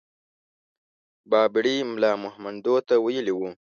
بابړي ملا مهمندو ته ويلي وو.